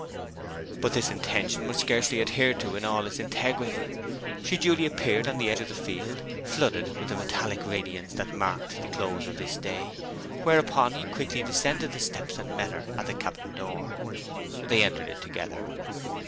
But this intention was scarcely adhered to in all its integrity. She duly appeared on the edge of the field, flooded with the metallic radiance that marked the close of this day; whereupon he quickly descended the steps, and met her at the cabin door. They entered it together.